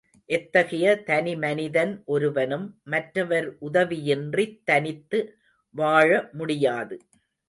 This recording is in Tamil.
எத்தகைய தனிமனிதன் ஒருவனும் மற்றவர் உதவியின்றித் தனித்து வாழமுடியாது.